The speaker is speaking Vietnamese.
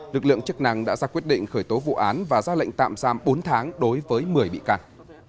lực lượng chức năng đã ra quyết định khởi tố vụ án và ra lệnh tạm giam bốn tháng đối với một mươi bị can